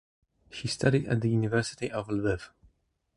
She studied at the University of Lviv.